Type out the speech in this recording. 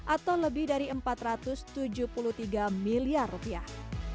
atau lebih dari empat ratus tujuh puluh tiga miliar rupiah